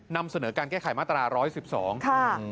นำเสนอการแก้ไขมาตรา๑๑๒